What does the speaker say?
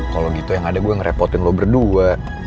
kalau gitu yang ada gue yang ngerepotin lo berdua